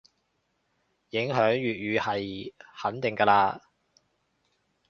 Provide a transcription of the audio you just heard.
影響粵語係肯定嘅嘞